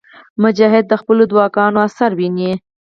مجاهد د خپلو دعاګانو اثر ویني.